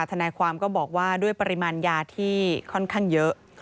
ธนาความด้วยปริมาญยาที่ค่อนข้างเยอะ